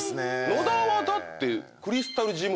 野田はだって。